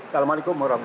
assalamualaikum wr wb